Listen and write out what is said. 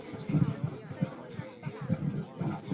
附加线又再可分为上附加线两种。